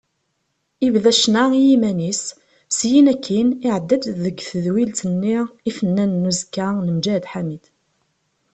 Yebda ccna i yiman-is, syin akkin iɛedda-d deg tedwilt-nni Ifennanen n uzekka n Mǧahed Ḥamid.